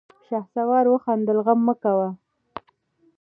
شهسوار وخندل: غم مه کوه!